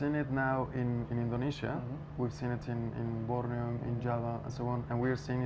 kita melihatnya sekarang di indonesia kita melihatnya di borneo java dan sebagainya